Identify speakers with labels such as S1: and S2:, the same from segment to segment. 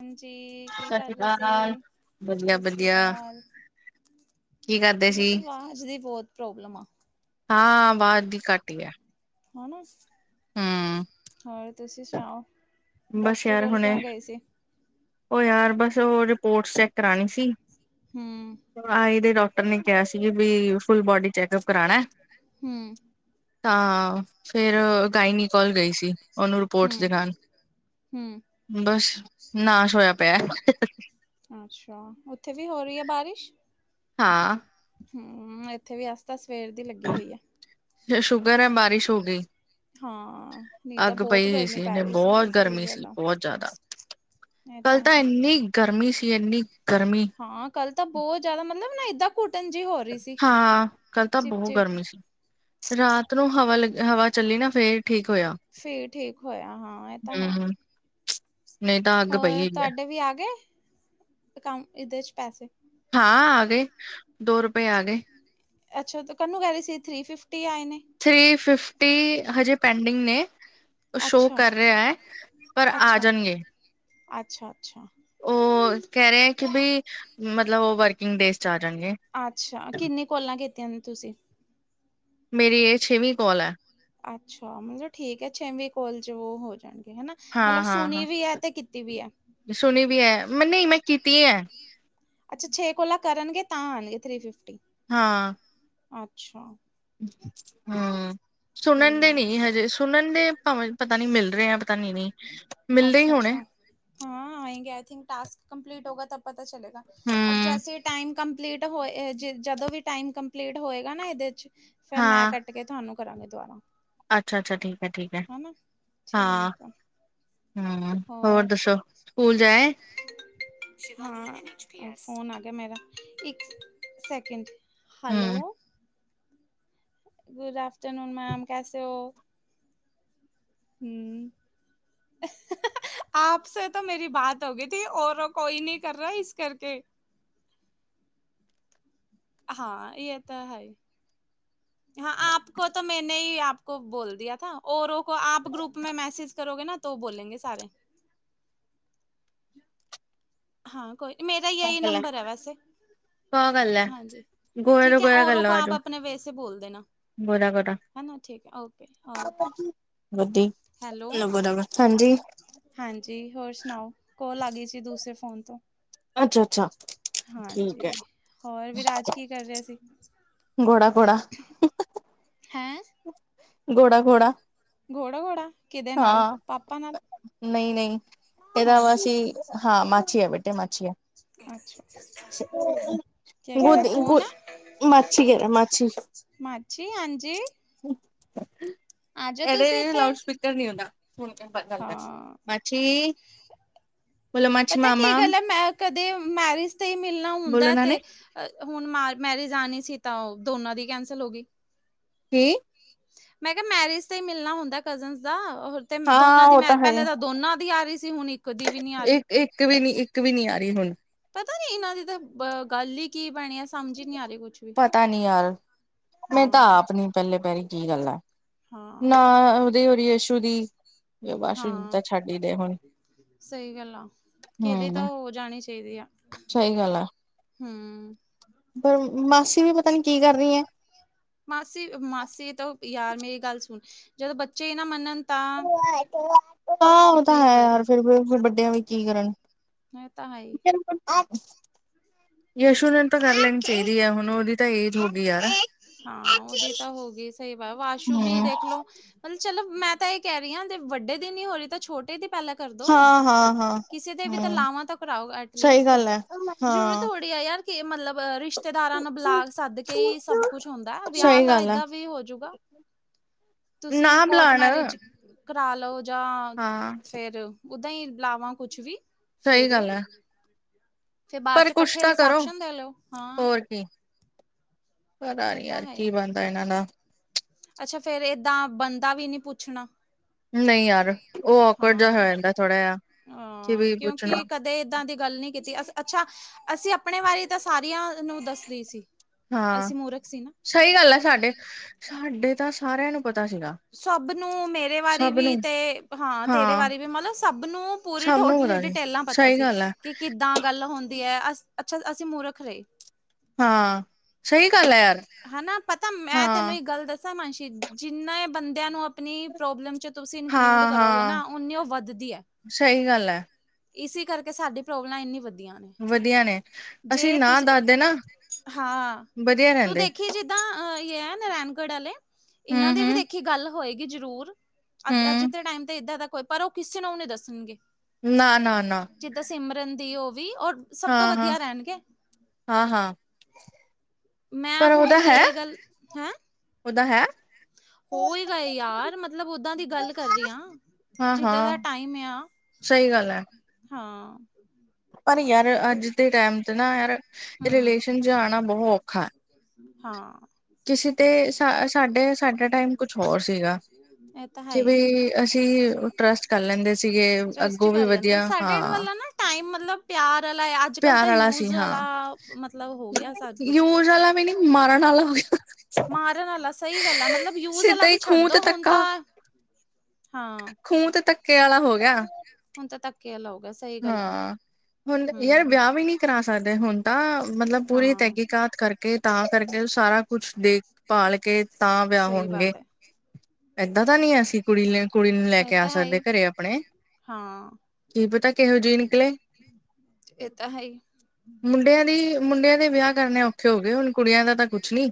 S1: ਹਾਂਜੀ, ਕੀ
S2: ਸਤਿ ਸ਼੍ਰੀ
S1: ਕਰਦੇ
S2: ਅਕਾਲ।
S1: ਸੀ? ਸਤਿ ਸ੍ਰੀ
S2: ਵਧੀਆ-ਵਧੀਆ
S1: ਅਕਾਲ।
S2: ਕੀ ਕਰਦੇ
S1: ਇਹਦੇ
S2: ਸੀ?
S1: ਚ ਆਵਾਜ਼ ਦੀ ਬਹੁਤ ਪ੍ਰੋਬਲਮ ਆ।
S2: ਹਾਂ ਅਵਾਜ ਦੀ ਘੱਟ ਹੀ ਆ।
S1: ਆਣਾ, ਹੋਰ ਤੁਸੀਂ ਸੁਣਾਓ?
S2: ਬਸ
S1: ਡਾਕਟਰ
S2: ਯਾਰ
S1: ਕੋਲ
S2: ਹੁਣੇ
S1: ਕਿਉਂ ਗਏ ਸੀ?
S2: ਉਹ ਯਾਰ ਬਸ ਉਹ ਰਿਪੋਰਟਸ ਚੈੱਕ ਕਰਾਣੀ ਸੀ
S1: ਹੂੰ
S2: ਆਏ ਦੇ ਡਾਕ। ਡਾਕਟਰ ਨੇ ਕਿਹਾ ਸੀ ਵੀ ਫੁਲ ਬੋਡੀ ਚੈਕਅਪ ਕਰਾਉਣਾ।
S1: ਹਮ।
S2: ਤਾਂ ਫਿਰ ਗਾਇਨੀ ਕੋਲ ਗਏ ਸੀ। ਉਹਨੂੰ ਰਿਪੋਰਟਸ
S1: ਹਮ
S2: ਦਿਖਾਣ
S1: ਹਮ।
S2: ਬਸ ਨਾਸ਼ ਹੋਇਆ ਪਿਆ।
S1: ਅੱਛਾ, ਉੱਥੇ ਵੀ ਹੋ ਰਹੀ ਹੈ ਬਾਰਿਸ਼?
S2: ਹਾਂ।
S1: ਹਮ ਇੱਥੇ ਵੀ ਅਜ ਤਾਂ ਸਵੇਰ ਦੀ ਲੱਗੀ ਹੋਈ ਆ।
S2: ਚਲੋ ਸ਼ੁਕਰ ਆ ਬਾਰਿਸ਼ ਹੋ ਗਈ।
S1: ਹਾਂ ਨਹੀਂ ਤਾਂ
S2: ਅੱਗ
S1: ਬਹੁਤ
S2: ਪਈ ਹੋਈ
S1: ਗਰਮੀ
S2: ਸੀ
S1: ਪੈ
S2: ਇਹਨੇ
S1: ਰਹੀ ਸੀ
S2: ਬਹੁਤ
S1: ਸਹੀ
S2: ਗਰਮੀ
S1: ਗੱਲ
S2: ਸੀ
S1: ਆ।
S2: ਬਹੁਤ ਜ਼ਿਆਦਾ।
S1: ਇਹ ਤਾਂ ਹੈ ਇ।
S2: ਇੰਨੀ ਗਰਮੀ ਸੀ ਇੰਨੀ ਗਰਮੀ।
S1: ਹਾਂ ਕੱਲ ਤਾਂ ਬਹੁਤ ਜ਼ਿਆਦਾ ਮਤਲਬ ਨਾ ਏਦਾਂ। ਘੁਟਨ ਜਿਹੀ ਹੋਰ ਰਹੀ। ਸੀ।
S2: ਹਾਂ, ਕਲ ਤਾਂ
S1: ਚਿਪ
S2: ਬਹੁਤ
S1: ਚਿਪ
S2: ਗਰਮੀ ਸੀ। ਰਾਤ ਨੂੰ ਹਵਾ ਲੱਗੀ ਹਵਾ ਚੱਲੀ ਨਾ ਫੇਰ ਠੀਕ ਹੋਇਆ।
S1: ਫਿਰ ਠੀਕ ਹੋਇਆ ਹਾਂ ਇਹ ਤਾਂ ਹੈ।
S2: ਹੂੰ ਨਹੀਂ ਤਾਂ ਅੱਗ ਪਈ
S1: ਹੋਰ
S2: ਹੋਈ ਹੈ
S1: ਤੁਹਾਡੇ ਵੀ ਆ ਗਏ ਅਕਾਊਂਟ ਇਹਦੇ 'ਚ ਪੈਸੇ?
S2: ਹਾਂ ਆ ਗਏ ਦੋ ਰੁਪਏ ਆ ਗਏ।
S1: ਅੱਛਾ, ਤਾਂ ਕੱਨੂੰ ਕਹਿ ਰਹੀ ਸੀ ਥਰੀ ਫਿਫਟੀ ਆਏ ਨੇ।
S2: ਥਰੀ ਫਿਫਟੀ ਹਜੇ ਪੈਂਡਿੰਗ ਨੇ। ਸ਼ੋਅ
S1: ਅੱਛਾ।
S2: ਕਰ ਰਿਹਾ ਹੈ ਪਰ ਆ
S1: ਅੱਛਾ,
S2: ਜਾਣਗੇ।
S1: ਅੱਛਾ ਅੱਛਾ।
S2: ਉਹ ਕਹਿ ਰਹੇ ਹੈ ਕਿ ਬਈ ਮਤਲਬ ਉਹ ਵਰਕਿੰਗ ਡੇਜ਼ ਚ ਆ ਜਾਣਗੇ।
S1: ਅੱਛਾ, ਕਿੰਨੀ ਕੋਲਾਂ ਕੀਤੀਆਂ ਨੇ ਤੁਸੀਂ?
S2: ਮੇਰੀ ਇਹ ਛੇਵੀਂ ਕੋਲ ਹੈ।
S1: ਅੱਛਾ, ਮਤਲਬ ਠੀਕ ਹੈ ਛੇਵੀਂ ਕੋਲ ਚ ਉਹ ਹੋ ਜਾਣਗੇ ਹਨਾ?
S2: ਹਾਂ,
S1: ਮਤਲਬ
S2: ਹਾਂ,
S1: ਸੁਣੀ
S2: ਹਾਂ,
S1: ਵੀ ਹੈ ਤੇ ਕੀਤੀ ਵੀ ਹੈ।
S2: ਸੁਣੀ ਵੀ ਹੈ, ਨਹੀਂ ਮੈਂ ਕੀਤੀ ਹੈ।
S1: ਅੱਛਾ ਛੇ ਕੋਲਾ ਕਰਨਗੇ ਤਾਂ ਆਉਣਗੇ ਥ੍ਰੀ ਫਿਫਟੀ।
S2: ਹਾਂ।
S1: ਅੱਛਾ।
S2: ਹੂੰ। ਸੁਨਨ ਦੇ
S1: ਠੀਕ।
S2: ਨਈ ਹਜੇ ਸੁਨਨ ਦੇ ਭਾਵੇਂ ਪਤਾ ਨੀ ਮਿਲ ਰਹੇ ਆ ਪਤਾ ਨੀ ਨਈ। ਮਿਲਦੇ ਈ ਹੋਣੇ।
S1: ਹਾਂ [unintelligible] ਆ
S2: ਹੂੰ
S1: ਜਦੋਂ ਵੀ ਟਾਈਮ ਕੰਪਲੀਟ ਹੋਏਗਾ ਨਾ ਇਹਦੇ ਵਿੱਚ। ਫੇਰ ਮੈਂ
S2: ਹਾਂ
S1: ਕੱਟ ਕੇ ਤੁਹਾਨੂੰ ਕਰਾਂਗੀ ਦੁਬਾਰਾ।
S2: ਅੱਛਾ, ਅੱਛਾ ਠੀਕ ਐ ਠੀਕ ਐ।
S1: ਹਨਾ
S2: ਹਾਂ
S1: ਠੀਕ ਆ
S2: ਹੂੰ, ਹੋਰ ਦੱਸੋ ਸਕੂਲ ਜਾ ਆਏ?
S1: ਹਾਂ, ਫੋਨ ਆ ਗਿਆ ਮੇਰਾ ਇੱਕ ਸੈਕੇਂਡ ਜੀ। ਹੈਲੋ।
S2: ਹੂੰ।
S1: ਗੁਡ ਆਫਟਰ ਨੂਨ ਮੈਮ ਕੈਸੇ ਹੋ? ਹੂੰ। ਆਪ ਸੇ ਤੋਂ ਮੇਰੀ ਬਾਤ ਹੋ ਗਈ ਥੀ ਔਰ ਕੋਈ ਨਹੀਂ ਕਰ ਰਿਹਾ ਇਸ ਕਰਕੇ। ਹਾਂ ਇਹ ਤਾਂ ਹੈ ਹਾਂ ਆਪ ਕੋ ਤੋ ਮੈਨ ਨਹੀਂ ਆਪ ਕੋ ਬੋਲ ਦੀਆ ਥਾ ਔਰੋਂ ਕੋ ਆਪ ਗਰੁੱਪ ਮੇ ਮੈਸੇਜ ਕਰੋਗੇ ਨਾ ਤੋਂ ਬੋਲੇਂਗੇ ਸਾਰੇ। ਹਾਂ ਕੋਈ ਨਹੀਂ ਮੇਰਾ
S2: ਕ
S1: ਏਹੀ
S2: ਗਲਾ
S1: ਨੰਬਰ ਹੈ ਵੈਸੇ। ਹਾਂਜੀ
S2: ਗੋਰਾ ਤੋਂ
S1: ਠੀਕ ਹੈ
S2: ਗੋਰਾ ਕਰ
S1: ਔਰੋ
S2: ਲਓ
S1: ਕੋ ਆਪ
S2: ਆਜੋ
S1: ਆਪਣੇ ਵੇਸੇ ਬੋਲਦੇ ਨਾ।
S2: ਗੋਰਾ ਗੋਰਾ।
S1: ਹੈਨਾ ਠੀਕ ਹੈ ਓਕੇ ਓਕੇ।
S2: [unintelligible] ਹਾਂਜੀ?
S1: ਹਾਂਜੀ ਹੋਰ ਸਨਾਓ? ਕੋਲ ਆ ਗਈ ਸੀ ਦੂਸਰੇ ਫੋਨ ਤੋਂ।
S2: ਅੱਛਾ। ਅੱਛਾ ਠੀਕ ਹੈ
S1: ਹਾਂਜੀ ਹੋਰ ਵੀਰਾਜ ਕੀ ਕਰ ਰਿਹਾ ਸੀ?
S2: ਘੋੜਾ ਘੋੜਾ
S1: ਹੈਂ।
S2: ਘੋੜਾ ਘੋੜਾ।
S1: ਘੋੜਾ ਘੋੜਾ ਕਿਦੇ ਨਾਲ ਪਾਪਾ ਨਾਲ?
S2: ਨਈ, [unintelligible] ਨਈ ਪਰ ਆ
S1: ਹਾਂ
S2: ਅਸੀਂ, ਹਾਂ ਮਾਛੀ ਆ, ਬੇਟਾ ਮਾਛੀ ਆ। ਗੁਦ ਗੁ
S1: [unintelligible]
S2: ਮਾਛੀ ਘਰਾ ਮਾਛੀ। [unintelligible]
S1: ਮਾਛੀ ਹਾਂਜੀ। ਆ ਜਾਓ
S2: ਐਦੇ
S1: ਤੁਸੀਂ ਇੱਥੇ
S2: ਲਾਊਡ ਸਿਪੀਕਰ ਨੀ ਹੂੰਦਾ
S1: ਹਾਂ
S2: [unintelligible] ਛੀ
S1: ਪਤਾ ਕੀ ਗੱਲ ਏ ਮੈਂ ਕਦੇ ਮੈਰਿਜ਼ ਤੇ ਈ ਮਿਲਨਾ
S2: ਬੋਲੋ
S1: ਹੁੰਦਾ
S2: ਨਾਨੇ
S1: ਤੇ ਹੁਨ ਮੈਰਿਜ਼ ਆਨੀ ਸੀ ਤਾ ਦੋਨਾਂ ਦੀ ਕੈਂਸਲ ਹੋ ਗੀ।
S2: ਕੀ?
S1: ਮੈਂ ਕਿਹਾ ਮੈਰਿਜ਼ ਤੇ ਈ ਮਿਲਨਾ ਹੁੰਦਾ ਕਜ਼ਨਸ ਦਾ ਤੇ
S2: ਹਾਂ ਉਹ ਹੈ।
S1: ਪਹਿਲਾ ਤਾਂ ਦੋਨਾਂ ਦੀ ਆ ਰਹੀ ਸੀ ਹੁਨ ਇੱਕ ਦੀ ਵੀ ਨੀ ਆ ਰਹੀ
S2: ਇੱਕ ਇੱਕ ਵੀ ਨੀ ਇੱਕ ਵੀ ਨੀ ਆ ਰਹੀ ਹੁਨ।
S1: ਪਤਾ ਨੀ ਇਨਾਂ ਦੀ ਤਾਂ ਅ ਗੱਲ ਈ ਕੀ ਬਣੀ ਆ ਸਮਝ ਈ ਨੀ ਆ ਰਹੀ ਕੁਛ ਵੀ।
S2: ਪਤਾਂ ਨੀ ਯਾਰ ਮੈਂ ਤਾਂ
S1: ਹਾਂ।
S2: ਆਪ ਨੀ ਪੱਲੇ ਪੈ ਰਹੀ ਕੀ ਗੱਲ ਆ। ਨਾ,
S1: ਹਾਂ,
S2: ਓਦੀ ਓਰ ਯਸ਼ੂ ਦੀ [unintelligible] ਤਾਂ ਛੱਡ ਈ ਦੇ ਹੁਣ।
S1: ਸਈ ਗੱਲ ਆ ਕੀਦੀ
S2: ਹੂੰ
S1: ਤਾਂ ਹੋ ਜਾਣੀ ਚਾਹੀਦੀ ਆ।
S2: ਸਹੀ ਗੱਲ ਆ
S1: ਹੂੰ।
S2: [unintelligible] ਮਾਸੀ ਵੀ ਪਤਾ ਨੀ ਕੀ ਕਰ ਰੀ ਐ।
S1: ਮਾਸੀ ਮਾਸੀ ਤਾਂ ਯਾਰ ਮੇਰੀ ਗੱਲ ਸੁਨ ਜਦੋਂ ਬੱਚੇ ਈ ਨਾ ਮੰਨਨ ਤਾ?
S2: ਹਾਂ ਓ ਤਾਂ ਹੈ, [unintelligible] ਯਾਰ ਫੇਰ ਵ ਵੱਡੇਆਂ ਵੀ ਕੀ ਕਰਨ।
S1: ਐ ਤਾਂ ਹੈ ਈ।
S2: ਯਸ਼ੂ ਨਾਲ ਤਾਂ ਕਰ ਲੈਨੀ ਚਈਦੀ ਆ, ਹੋਨ ਓਦੀ ਤਾਂ ਏਜ ਹੋ ਗਈ ਆ। [unintelligible]
S1: ਹਾਂ ਉਹਦੀ ਤਾਂ ਹੋ ਗਈ ਸਹੀ ਵਾ ਆਸ਼ੂ ਵੀ
S2: ਹੂੰ
S1: ਦੇਖਲੋ ਮਤਲਬ ਚਲੋ ਮੈਂ ਤਾਂ ਇਹ ਕਹਿ ਰਹੀ ਹਾਂ ਜੇ ਵੱਡੇ ਦੀ ਨਿ ਹੋ ਰਹੀ ਤਾਂ ਛੋਟੇ ਦੀ ਪਹਿਲਾਂ ਕਰਦੋ
S2: ਹਾਂ ਹਾਂ ਹਾਂ
S1: ਕਿਸੇ ਦੇ ਵੀ ਤਾਂ
S2: ਹੂੰ
S1: ਲਾਵਾਂ ਤਾਂ ਕਰਾਓ
S2: ਸਹੀ
S1: ਐਟਲੀਸਟ
S2: ਗੱਲ ਹੈ
S1: ਜਰੂਰਤ
S2: ਹਾਂ।
S1: ਥੋੜੀ ਆ ਯਾਰ ਕੇ ਮਤਲਬ ਰਿਸ਼ਤੇਦਾਰਾਂ ਨੂੰ ਬੁਲਾ ਕੇ ਸੱਦ ਕੇ ਹੀ ਸਭ ਕੁਛ ਹੁੰਦਾ ਹੈ ਵਿਆਹ
S2: ਸਹੀ
S1: ਤਾਂ
S2: ਗੱਲ ਆ।
S1: ਏਦਾਂ ਵੀ ਹੋਜੂਗਾ ਤੁਸੀਂ
S2: ਨਾ
S1: ਕੋਰਟ
S2: ਬੁਲਾਣ
S1: ਮੈਰਿਜ ਕਰਾ ਲਓ ਜਾਂ
S2: ਹਾਂ।
S1: ਫੇਰ ਓਦਾ ਹੀ ਲਾਵਾਂ ਕੁਛ ਵੀ
S2: ਸਹੀ
S1: ਫੇਰ
S2: ਗੱਲ ਹੈ,
S1: ਫਿਰ ਬਾਅਦ
S2: ਪਰ
S1: ਚ
S2: ਕੁਛ
S1: ਇਕੱਠੇ
S2: ਤਾਂ ਕਰੋ
S1: ਰਿਸੈਪਸ਼ਨ ਦੇ ਲਓ ਹਾਂ [unintelligible]
S2: ਹੋਰ ਕੀ ਪਤਾ
S1: ਇਹ
S2: ਨੀ
S1: ਤਾਂ
S2: ਯਾਰ
S1: ਹੈ
S2: ਕੀ ਬਣਦਾ ਇਹਨਾਂ ਦਾ
S1: ਅੱਛਾ ਫੇਰ ਏਦਾਂ ਬਣਦਾ ਵੀ ਨਹੀਂ ਪੁੱਛਣਾ
S2: ਨਹੀਂ ਯਾਰ ਉਹ ਔਕਵਰਡ ਜਿਹਾ
S1: ਹਾਂ
S2: ਹੋ ਜਾਂਦਾ ਥੋੜਾ ਜਿਹਾ ਕਿ
S1: ਹਾਂ
S2: ਵੀ ਪੁੱਛਣਾ
S1: ਕਿਉਂਕਿ ਕਦੇ ਏਦਾਂ ਦੀ ਗੱਲ ਨੀ ਕੀਤੀ ਅੱਛਾ ਅਸੀਂ ਆਪਣੇ ਬਾਰੇ ਤਾਂ ਸਾਰੀਆਂ ਨੂੰ ਦੱਸਦੀ ਸੀ
S2: ਹਾਂ
S1: ਅਸੀਂ ਮੂਰਖ ਸੀ ਨਾ
S2: ਸਹੀ ਗੱਲ ਹੈ ਸਾਡੇ ਸਾਡੇ ਤਾਂ ਸਾਰਿਆਂ ਨੂੰ ਪਤਾ ਸੀਗਾ
S1: ਸਭ ਨੂੰ ਮੇਰੇ ਬਾਰੇ
S2: ਸਭ
S1: ਵੀ
S2: ਨੂੰ
S1: ਤੇ ਹਾਂ ਤੇਰੇ ਬਾਰੇ ਵੀ ਮਤਲਬ ਸਭ ਨੂੰ ਪੂਰੇ
S2: ਸਭ ਨੂੰ
S1: ਟੋਟਲ
S2: ਪਤਾ ਸੀ
S1: ਡਿਟੇਲਾਂ ਪਤਾ ਸੀ
S2: [unintelligible]
S1: ਕਿ ਕਿੱਦਾਂ ਗੱਲ ਹੋਂਦੀ ਐ, ਅਸ ਅੱਛਾ ਅਸੀਂ ਮੂਰਖ ਰਏ।
S2: ਹਾਂ। ਸਹੀ ਗੱਲ ਹੈ ਯਾਰ
S1: ਹਨਾ ਪਤਾ ਮੈਂ ਤੈਨੂੰ
S2: ਹਾਂ
S1: ਇੱਕ ਗੱਲ ਦੱਸਾਂ, ਮਾਨਸ਼ੀਦ ਜਿੰਨਾ ਏ ਬੰਦੇਆਂ ਨੂੰ ਆਪਨੀ ਪ੍ਰੋਬਲਮ ਚ ਤੁਸੀਂ ਇਨਕਲੂਊਡ
S2: ਹਾਂ
S1: ਕਰੋਗੇ
S2: ਹਾਂ
S1: ਨਾ, ਓਨੀੇ ਓ ਵਦਦੀ ਐ।
S2: ਸਹੀ ਗੱਲ ਹੈ
S1: ਇਸੀ ਕਰਕੇ ਸਾਡੀ ਪ੍ਰੋਬਲਾਂ ਇੰਨੀ ਵਦੀਆਂ ਨੇ।
S2: ਵਦੀਆ ਨੇ ਅਸੀਂ
S1: ਜੇ
S2: ਨਾ
S1: ਤੁਸੀਂ
S2: ਦੱਸਦੇ ਨਾ,
S1: ਹਾਂ
S2: ਬਦੀਆ
S1: ਤੂੰ
S2: ਰੈਂਦੇ।
S1: ਦੇਖੀ ਜਿੱਦਾਂ ਅ ਇਹ ਹੈ ਨਰਾਇਣਗੜ੍ਹ ਵਾਲੇ
S2: ਹੂੰ
S1: ਇਹਨਾਂ ਦੇ
S2: ਹੂੰ
S1: ਵੀ ਦੇਖੀ ਗੱਲ ਹੋਏਗੀ ਜ਼ਰੂਰ ਅ ਅੱਜ
S2: ਹੂੰ
S1: ਦੇ ਟਾਈਮ ਤੇ ਇਏਦਾਂ ਤੱਕ ਹੋਏ ਪਰ ਉਹ ਕਿਸੇ ਨੂੰ ਨੀ ਦੱਸਣਗੇ
S2: ਨਾ ਨਾ ਨਾ
S1: ਜਿ ਤਾਂ ਸਿਮਰਨ ਦੀ ਉਹ ਵੀ ਉਹਰ ਸਭ ਤੋਂ
S2: ਹਾਂ ਹਾਂ
S1: ਵਧੀਆ ਰਹਿਣਗੇ
S2: ਹਾਂ ਹਾਂ
S1: ਮੈਂ ਅਹ ਹੁਣ ਇਹ ਗੱਲ ਹੈਂ
S2: ਇਹ ਹੈ
S1: ਹੋਏਗਾ ਯਾਰ ਮਤਲਬ ਓਦਾਂ ਦੀ ਗੱਲ ਕਰ ਰਹੀ ਹਾਂ ਜਿਦਾਂ
S2: ਹਾਂ-ਹਾਂ
S1: ਦਾ ਟਾਈਮ ਆ
S2: ਸਹੀ ਗੱਲ ਹੈ
S1: ਹਾਂ
S2: ਪਰ ਯਾਰ ਅੱਜ ਦੇ ਟਾਈਮ ਤੇ ਨਾ ਯਾਰ
S1: ਹਮ
S2: ਰਿਲੇਸ਼ਨ ਚ ਆਣਾ ਬਹੁਤ ਔਖਾ ਹੈ
S1: ਹਾਂ
S2: ਕਿਸੇ ਤੇ ਸਾ ਸਾਡੇ ਸਾਡਾ ਟਾਈਮ ਕੁਛ ਹੋਰ ਸੀਗਾ
S1: ਇਹ ਤਾਂ
S2: ਕਿ
S1: ਹੈ
S2: ਵੀ ਅਸੀਂ ਟਰੱਸਟ ਕਰ ਲੈਂਦੇ ਸੀਗੇ
S1: ਟਰਸਟ
S2: ਅੱਗੋਂ ਵੀ
S1: ਕਰ ਲੈਂਦੇ
S2: ਵਧੀਆ
S1: ਸਾਡੇ
S2: ਹਾਂ
S1: ਵਾਲਾ ਨਾ ਟਾਈਮ ਮਤਲਬ ਪਿਆਰ ਵਾਲਾ ਯਾਦ ਅੱਜ ਕਲ
S2: ਪਿਆਰ
S1: ਤਾਂ ਯੂਜ
S2: ਸੀ ਹਾਂ
S1: ਵਾਲਾ ਮਤਲਬ ਹੋ ਗਿਆ ਸਭ ਕੁਛ
S2: ਯੂਜ ਵਾਲਾ ਵੀ ਨੀ ਮਾਰਨ ਵਾਲਾ ਹੋ ਗਿਆ
S1: ਮਾਰਨ ਵਾਲਾ ਸਹੀ ਗੱਲ ਆ ਮਤਲਬ ਯੂਜ ਵਾਲਾ
S2: ਸਿੱਧਾ
S1: ਵੀ
S2: ਹੀ
S1: ਛੱਡ
S2: ਖੂਹ ਤੇ
S1: ਦੋ ਹੁਣ
S2: ਧੱਕਾ
S1: ਤਾਂ ਹਾਂ
S2: ਕੇ ਵਾਲਾ ਹੋ ਗਿਆ
S1: ਹੁਣ ਤਾਂ ਧੱਕ ਲਾਓਗਾ
S2: ਹਾਂ ਹੁਣ ਯਾਰ ਵਿਆਹ ਵੀ ਨਹੀਂੀ ਕਰਾ ਸਕਦੇ ਹੁਣ ਤਾਂ ਮਤਲਬ ਪੂਰੀ
S1: ਹਾਂ
S2: ਤਹਿਕੀਕਤ ਕਰਕੇ ਕੇ ਤਾਂ ਕਰਕੇ ਸਾਰਾ ਕੁਛ ਦੇਖਭਾਲ ਕੇ ਤਾਂ ਵਿਆਹ
S1: ਸਹੀ
S2: ਹੋਣਗੇ
S1: ਬਾਤ ਹੈ
S2: ਏਦਾਂ ਤਾਂ ਨਹੀਂੀ ਅਸੀਂ ਕੁੜੀ ਕੁੜੀ ਨੂੰ ਲੈ
S1: ਇਹ
S2: ਕੇ ਆ
S1: ਤਾਂ ਹੈ ਹੀ
S2: ਸਕਦੇ ਘਰੇ ਆਪਣੇ
S1: ਹਾਂ
S2: ਜ ਨਿਕਲੇ
S1: ਇਹ ਤਾਂ ਹੈ ਹੀ
S2: ਮੁੰਡਿਆਂ ਦੀ ਮੁੰਡਿਆਂ ਦੇ ਵਿਆਹ ਕਰਨੇ ਔਖੇ ਹੋ ਗਏ ਹੁਣ ਕੁੜੀਆਂ ਦਾ ਤਾਂ ਕੁਛ ਨੀ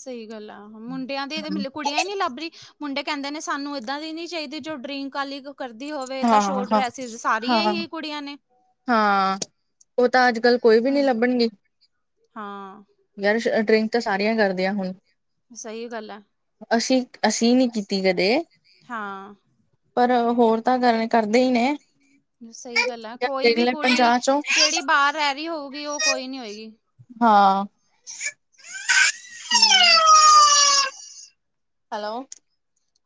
S1: ਸਹੀ ਗੱਲ ਆ ਮੁੰਡਿਆਂ ਦੇ ਇਹਦੇ ਮਤ ਕੁੜੀਆਂ ਹੀ ਨਹੀਂੀ ਲੱਭ ਰਹੀ ਮੁੰਡੇ ਕਹਿੰਦੇ ਨੇ ਸਾਨੂੰ ਇੱਦਾਂ ਦੀ ਨਹੀਂ ਚਾਹੀਦੀ ਜੋ ਡਰਿੰਕ ਵਾਲੀ ਕਰਦੀ ਹੋਵੇ ਤਾਂ
S2: ਹਾਂ
S1: ਸ਼ੋਟ
S2: ਹਾਂ
S1: ਡਰੈਸਿਸ ਸਾਰੀ ਇ
S2: ਹਾਂ
S1: ਹੀ ਕੁੜੀਆਂ ਨੇ
S2: ਹਾਂ ਉਹ ਤਾਂ ਅੱਜ ਕੱਲ ਕੋਈ ਵੀ ਨਹੀਂੀ
S1: ਹਮ
S2: ਲੱਭਡ ਰਿ
S1: ਹਾਂ
S2: ਯਰ ਡਰਿੰਕ ਤਾਂ ਸਾਰੀਆਂ ਕਰਦੀਆਂ ਹੁਣ
S1: ਸਹੀ ਗੱਲ ਹੈ
S2: ਅਸੀਂ ਅਸੀਂ ਨਹੀਂ ਕੀਤੀ ਕਦੇ
S1: ਹਾਂ
S2: ਪਰ ਹੋਰ ਤਾਂ ਗਲ ਕਰਦੇ ਹੀ ਨੇ
S1: ਸਹੀ ਗੱਲ ਹੈ ਕੋਈ
S2: ਦੇਖ
S1: ਵੀ
S2: ਲੈ
S1: ਕੁੜੀ
S2: ਪੰਜਾਹ ਚੋਂ
S1: ਜਿਹੜੀ ਬਾਹਰ ਰਹਿ ਰਹੀ ਹੋਊਗੀ ਉਹ ਕੋਈ ਨੀ ਹੋਏਗੀ
S2: ਹਾਂ
S1: ਹਮ
S2: ਹੈਲੋ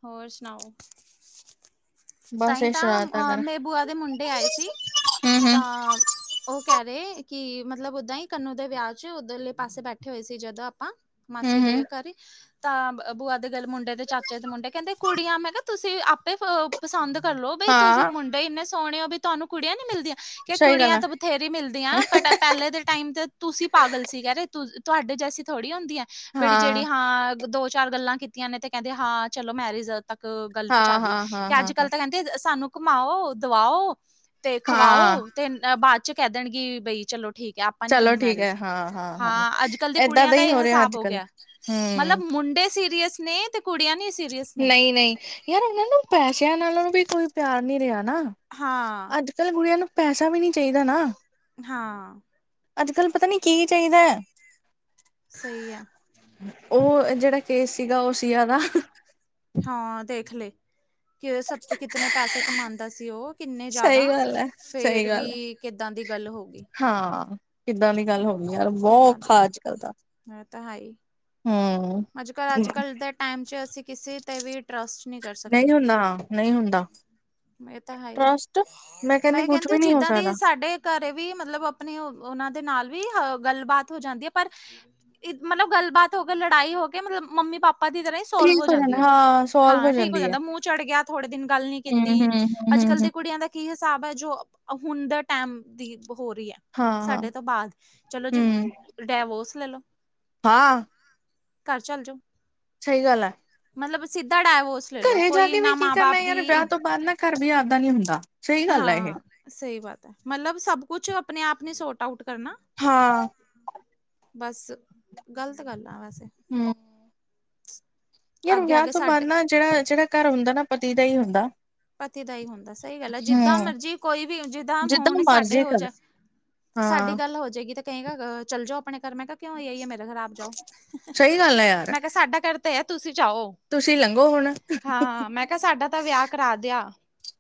S1: ਹੋਰ ਸੁਣਾਓ
S2: ਬਸ
S1: ਤਹੀ
S2: ਇਹ
S1: ਤਾਂ
S2: ਸ਼ਰਾਰਤਾਂ
S1: ਅ
S2: ਕਰ
S1: ਮੇਰੇ ਬੂਆ ਦੇ ਮੁੰਡੇ ਆਏ ਸੀ
S2: ਹੂੰ ਹੂੰ
S1: ਤਾਂ ਉਹ ਕਹਿ ਰਹੇ ਕਿ ਮਤਲਬ ਓਦਾਂ ਹੀ ਕੰਨੂੰ ਦੇ ਵਿਆਹ ਚ ਉਧਰਲੇ ਪਾਸੇ ਬੈਠੇ ਹੋਏ ਸੀ ਜਦੋਂ ਆਪਾਂ
S2: ਹੂੰ
S1: ਮਾਸੀ
S2: ਹੂੰ
S1: ਦੇ ਘਰੀਂ ਤਾਂ ਬੂਆ ਦੇ ਗਲ ਮੁੰਡੇ ਤੇ ਚਾਚੇ ਦੇ ਮੁੰਡੇ ਕਹਿੰਦੇ ਕੁੜੀਆਂ ਮੈਂ ਕਿਹਾ ਤੁਸੀਂ ਆਪੇ ਪਸੰਦ ਕਰ ਲੋ ਬਈ ਤੁਸੀਂ
S2: ਹਾਂ
S1: ਮੁੰਡੇ ਇੰਨੇ ਸੋਹਣੇ ਹੋ ਵੀ ਤੁਹਾਨੂੰ ਕੁੜੀਆਂ ਨੀ ਮਿਲਦੀਆਂ ਕਿ
S2: ਸਹੀ ਗੱਲ
S1: ਕੁੜੀਆਂ
S2: ਹੈ
S1: ਤਾਂ ਬਥੇਰੀ ਮਿਲਦੀਆਂ ਬਟ ਪਹਿਲੇ ਦੇ ਟਾਈਮ ਤੇ ਤੁਸੀਂ ਪਾਗਲ ਸੀ ਕਹਿ ਰਹੇ ਤੁਹਾਡੇ ਜੈਸੀ ਥੋੜ੍ਹੀ ਹੁੰਦੀ ਆ ਬੜੀ ਜਿਹੜੀ ਹਾਂ ਦੋ ਚਾਰ ਗੱਲਾਂ ਕੀਤੀਆਂ ਨੇ ਤੇ ਕਹਿੰਦੇ ਹਾਂ ਚਲੋ ਮੈਰਿਜ ਤੱਕ ਗੱਲ ਪਹੁੰਚਾ
S2: ਹਾਂ
S1: ਦੀ
S2: ਹਾਂ ਹਾਂ
S1: ਕਿ ਅੱਜ
S2: ਹਾਂ ਹਾਂ
S1: ਕੱਲ੍ਹ ਤਾਂ ਕਹਿੰਦੇ ਸਾਨੂੰ ਘੁਮਾਓ ਦਵਾਓ ਤੇ ਖਵਾਓ
S2: ਹਾਂ
S1: ਅਤੇ ਬਾਅਦ ' ਕਹਿ ਦੇਣਗੇ ਬਈ ਚਲੋ ਠੀਕ ਹੈ ਆਪ ਆਪਾਂ ਨੀ
S2: ਚਲੋ
S1: ਕਰਨੀ
S2: ਠੀਕ
S1: ਮੈਰਿਜ
S2: ਹੈ ਹਾਂ
S1: ਹਾਂ ਅੱਜ ਕੱਲ ਦੇ
S2: ਏਦਾਂ
S1: ਕੁੜੀਆਂ ਦਾ
S2: ਹੀ
S1: ਇਹ
S2: ਰਿਹਾ
S1: ਹਿਸਾਬ
S2: ਅੱਜ
S1: ਹੋ
S2: ਕੱਲ
S1: ਗਿਆ ਮਤਲਬ
S2: ਹੂੰ
S1: ਮੁੰਡੇ ਸ ਸੀਰੀਅਸ ਨੇ ਤੇ ਕੁੜੀਆਂ ਨੀ ਸੀਰੀਅਸ ਨੇ
S2: ਨਹੀਂ ਨਹੀਂ ਯਾਰ ਉਹਨਾਂ ਨੂੰ ਪੈਸਿਆਂ ਨਾਲ ਉਹਨ ਨੂੰ ਵੀ ਕੋਈ ਪਿਆਰ ਨਹੀਂ ਰਿਹਾ ਨਾ
S1: ਹਾਂ
S2: ਅੱਜ ਕੱਲ ਕੁੜੀਆਂ ਨੂੰ ਪੈਸਾ ਵੀ ਨਹੀਂ ਨਾ ਚਾਹੀਦਾ ਹੈਗਾ
S1: ਹਾਂ
S2: ਅੱਜ ਕਲ ਪਤਾ ਨੀ ਕੀ ਚਾਹੀਦਾ ਹੈ
S1: ਸਹੀ ਹੈ
S2: ਉਹ ਜਿਹੜਾ ਕੇਸ ਸੀਗਾ ਉਹ ਸੀਆ ਦਾ
S1: ਹਾਂ ਦੇਖ ਲਏ ਕਿ ਸ ਕਿਤੇ ਪੈਸੇ ਕਮਾਉਂਦਾ ਸੀ ਉਹ ਕਿੰਨੇ ਜ਼ਿਆਦਾ
S2: ਸਹੀ ਗੱਲ ਹੈ, ਸਹੀ
S1: ਫੇਰ
S2: ਗੱਲ
S1: ਵੀ
S2: ਹੈ,
S1: ਕਿੱਦਾਂ ਦੀ ਗੱਲ ਹੋ ਗਈ
S2: ਹਾਂ ਕਿੱਦਾਂ ਦੀ ਗੱਲ ਹੋ ਗਈ ਯਾਰ ਬਹੁਖਾ ਅਜਕੱਲ ਦਾ
S1: ਏ ਤਾਂ ਹੈਏ
S2: ਹੂੰ
S1: ਅੱਜ ਕੱਲ੍ਹ ਅੱਜ ਕੱਲ੍ਹ ਦੇ ਟਾਈਮ ' ਅਸੀਂ ਕਿਸੇ ਤੇ ਵੀ ਟਰੱਸਟ ਨਹੀਂ ਕਰ ਸਕਦੇ
S2: ਹੁੰਦਾ, ਨਹੀਂ ਹੁੰਦਾ
S1: ਇਹ ਤਾਂ ਹੈ ਹੀ
S2: ਟਰਸਟ
S1: ਮੈਂ
S2: ਕੁਛ
S1: ਕਹਿੰਦੀ
S2: ਵੀ ਨਹੀਂ ਹੋ
S1: ਜਿੱਦਾਂ ਦੀ
S2: ਸਕਦਾ।
S1: ਸਾਡੇ ਘਰੇ ਵੀ ਮਤਲਬ ਆਪਣੇ ਉਹਨਾਂ ਦੇ ਨਾਲ ਵੀ ਅ ਗੱਲਬਾਤ ਹੋ ਜਾਂਦੀ ਹੈ ਪਰ ਮਤਲਬ ਗੱਲਬਾਤ ਹੋ ਕੇ ਲੜਾਈ ਹੋ ਕੇ ਮਤਲਬ ਮੰਮੀ ਪਾਪਾ ਦੀ ਤਰ੍ਹਾਂ ਸੋਲਵ ਹੋ
S2: ਠੀਕ
S1: ਜਾਂਦੀ
S2: ਜਾਂਦਾ
S1: ਆ
S2: ਹਾਂ ਸੋਲਵ
S1: ਹਾਂ ਠੀਕ ਹੋ
S2: ਜਾਂਦੀ ਹੈ।
S1: ਜਾਂਦਾ ਮੂੰਹ ਚੜ੍ਹ ਗਿਆ ਥੋੜੇ ਦਿਨ ਗੱਲ ਨੀ ਕੀਤੀ ਅੱਜ ਕੱਲ
S2: ਹੂੰ-ਹੂੰ-ਹੂੰ-ਹੂੰ-ਹੂੰ।
S1: ਦੇ ਕੁੜੀਆਂ ਦਾ ਕੀ ਹਿਸਾਬ ਹੈ ਜੋ ਹੁਣ ਦੇ ਟਾਈਮ ਦੀ ਹੋ ਰਹੀ ਹੈ
S2: ਹਾਂ-ਹਾਂ,
S1: ਸਾਡੇ ਤੋਂ ਬਾਅਦ ਚਲੋ
S2: ਹੂੰ,
S1: ਜੀ
S2: ਹਾਂ ਹਾਂ ਹਮ
S1: ਡੈਵੋਰਸ ਲੈ ਲੋ
S2: ਹਾਂ
S1: ਘਰ ਚੱਲ ਜਾਓ
S2: ਸਹੀ ਗੱਲ ਆ
S1: ਮਤਲਬ ਸਿੱਧਾ ਡਾਵੋਸ
S2: ਘਰੇ ਜਾ ਕੇ ਵੀ ਕੀ ਕਰਨਾ ਯਾਰ ਵਿਆਹ ਤੋਂ ਬਾਅਦ ਨਾ ਘਰ ਵੀ ਆਪਦਾ ਨੀ ਹੁੰਦਾ ਸਹੀ ਗੱਲ ਹੈ ਇਹ।
S1: ਹਾਂ ਸਹੀ ਬਾਤ ਹੈ ਮਤਲਬ ਸਭ ਕੁਛ ਆਪਣੇ ਆਪ ਨੇ ਸੋਰਟ ਆਊਟ ਕਰਨਾ
S2: ਹਾਂ
S1: ਬਸ ਗਲਤ ਗੱਲ ਆ ਵੈਸੇ
S2: ਹਮ ਯਾਰ
S1: ਅੱਗੇ
S2: ਵਿਆਹ
S1: ਅੱਗੇ
S2: ਤੋਂ ਬਾਅਦ
S1: ਸਾਡੇ
S2: ਨਾ ਜਿਹੜਾ ਜਿਹੜਾ ਘਰ ਹੁੰਦਾ ਨਾ ਪਤੀ ਦਾ ਹੀ ਹੁੰਦਾ
S1: ਪਤੀ ਦਾ ਹੀ ਹੁੰਦਾ ਸਹੀ ਗੱਲ ਹੈ ਜਿੱਦਾਂ
S2: ਹੂੰ।
S1: ਮਰਜੀ ਕੋਈ ਵੀ ਜਿੱਦਾਂ ਹੁਣ ਸਾਡੇ
S2: ਮਰਜ਼ੀ
S1: ਹੋ
S2: ਕਰ
S1: ਜਾ ਸਾਡੀ
S2: ਹਾਂ,
S1: ਗੱਲ ਹੋ ਜਏਗੀ ਤੇ ਕਹੇਗਾ, ਚੱਲ ਜਾਓ ਆਪਣੇ ਘਰ, ਮੈਂ ਕਿਹਾ ਕਿਉਂ ਯੇਹੀ ਹੈ, ਮੇਰਾ ਘਰ ਆਪ ਜਾਓ,
S2: ਸਹੀ ਗੱਲ ਹੈ ਯਾਰ।
S1: ਮੈਂ ਕਿਹਾ ਸਾਡਾ ਘਰ ਤਾਂ ਇਹ ਹੈ, ਤੁਸੀਂ ਜਾਓ।
S2: ਤੁਸੀਂ ਲੰਘੋ ਹੁਣ
S1: ਹਾਂ, ਮੈਂ ਕਿਹਾ, ਸਾਡਾ ਤਾਂ ਵਿਆਹ ਹਾਂ ਤੇ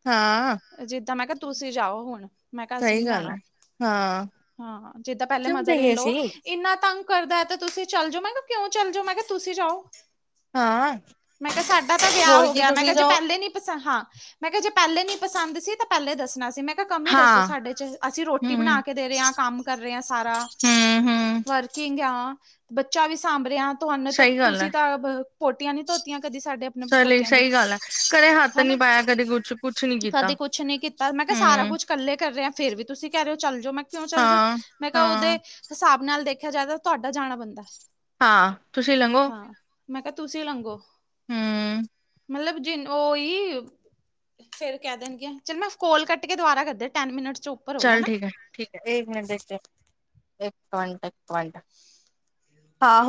S2: ਹਾਂ
S1: ਹਾਂ ਮੈਂ ਕਿਹਾ ਤੁਸੀਂ ਜਾਓ ਹੁਣ ਮੈਂ ਕਸੀ
S2: ਸਹੀ
S1: ਨੂੰ
S2: ਗੱਲ ਹੈ
S1: ਜਾਣਾ
S2: ਹਾਂ
S1: ਹਾਂ ਜਿੱਦਾਂ ਪਹਿਲੇ
S2: ਕਿਉਂ
S1: ਮਦਰ
S2: ਜਾਈਏ ਅਸੀਂ
S1: ਲੋਓ ਇੰਨਾ ਤੰਗ ਕਰਦਾ ਹੈ ਤੇ ਤੁਸੀਂ ਚੱਲ ਜਾਓ ਮੈਂ ਕਿਹਾ ਕਿਉਂ ਚੱਲ ਜਾਓ ਮੈਂ ਕਿਹਾ ਤੁਸੀਂ ਜਾਓ
S2: ਹਾਂ
S1: ਮੈਂ ਕਿਹਾ ਸਾਡਾ ਤਾਂ ਵਿਆਹ
S2: ਹੋਰ
S1: ਹੋ
S2: ਕੀ
S1: ਗਿਆ ਮੈਂ
S2: ਤੁਸੀਂ
S1: ਕਿਹਾ ਜੇ
S2: ਜਾਓ
S1: ਪਹਿਲੇ ਨੀ ਹਾਂ ਮੈਂ ਕਿਹਾ ਜੇ ਪਹਿਲੇ ਨੀ ਪਸੰਦ ਸੀ ਤਾਂ ਪਹਿਲੇ ਦੱਸਣਾ ਸੀ ਮੈਂ ਕਮੀ ਦੱਸੋ
S2: ਹਾਂ
S1: ਸਾਡੇ ਚ ਅਸੀਂ ਰੋਟੀ
S2: ਹਮ
S1: ਬਣਾ ਕੇ ਦੇ ਰਹੇ ਹਾਂ ਕੰਮ ਕਰ ਰਹੇ ਹਾਂ ਸਾਰਾ
S2: ਹਮ ਹਮ
S1: ਵਰਕ ਹਾਂ ਬੱਚਾ ਵੀ ਸਾਂਭ ਰਿਹਾ ਤੁਹਾਨੇ ਤਾਂ
S2: ਸਹੀ ਗੱਲ
S1: ਤੁਸੀਂ
S2: ਹੈ
S1: ਤਾਂ ਪੋਟੀਆਂ ਨੀ ਧੋਤੀਆਂ ਕਦੀ ਸਾਡੇ ਆਪਣੇ ਪੋਤਿਆਂ ਦੀ
S2: ਾ [unintelligible] ਸਹੀ ਗੱਲ ਹੈ ਹੱਥ
S1: ਹਨਾ,
S2: ਨੀ ਪਾਇਆ ਕਦੇ ਕੁਛ ਕੁਛ ਨੀ ਕੀਤਾ
S1: ਕਦੇ ਕੁਛ ਨੀ ਕੀਤਾ ਮੈਂ ਕਿਹਾ ਸਾਰਾ
S2: ਹਮ
S1: ਕੁਛ। ਇਕੱਲੇ ਕਰ ਰਹੇ ਹਾਂ, ਫੇਰ ਵੀ ਤੁਸੀਂ ਕਹਿ ਰਹੇ ਹੋ ਚੱਲ ਜਾਓ, ਮੈਂ ਕਿਉਂ ਚੱਲ ਜਾਓ,
S2: ਹਾਂ
S1: ਮੈਂ ਕਿਹਾ
S2: ਹਾਂ
S1: ਉਹਦੇ ਹਿਸਾਬ ਨਾਲ ਦੇਖਿਆ ਜਾਏ, ਤਾਂ ਤੁਹਾਡਾ ਜਾਣਾ ਬਣਦਾ।
S2: ਹਾਂ, ਤੁਸੀਂ ਲੰਘੋ।
S1: ਮੈਂ ਕਿਹਾ, ਤੁਸੀਂ ਲੰਘੋ।
S2: ਹਮ।
S1: ਮਤਲਬ ਜਿ ਓਹੀ ਫੇਰ ਕਹਿ ਦੇਣਗੀਆਂ, ਚਲ ਮੈਂ ਕਾਲ ਕੱਟ ਕੇ ਦੁਬਾਰਾ ਕਰਦੀ ਟੈਨ ਮਿੰਟ ਚੋਂ
S2: ਚਲ, ਠੀਕ ਹੈ। ਠੀਕ ਹੈ, ਇੱਕ ਮਿੰਟ, ਇਕ ਮਿੰਟ, ਹਾਂ।